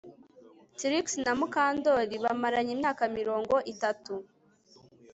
Trix na Mukandoli bamaranye imyaka mirongo itatu